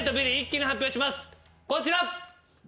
こちら。